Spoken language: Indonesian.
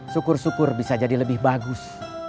syukur syukur bisa jadi lebih bagus